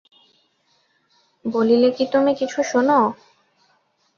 বলিলে কি তুমি কিছু শােন?